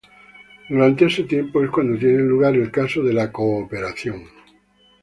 Durante ese tiempo es cuando tiene lugar el "caso de la cooperación".